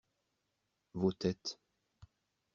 Vos têtes.